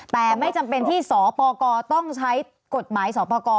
แต่ไม่จำเป็นที่สปกต้องใช้กฎหมายสอบประกอบ